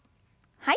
はい。